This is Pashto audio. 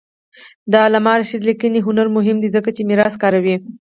د علامه رشاد لیکنی هنر مهم دی ځکه چې میراث کاروي.